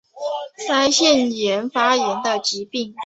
腮腺炎发炎的疾病。